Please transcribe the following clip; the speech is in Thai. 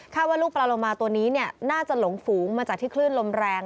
ว่าลูกปลาโลมาตัวนี้น่าจะหลงฝูงมาจากที่คลื่นลมแรง